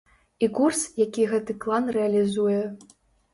І курс, які гэты клан рэалізуе.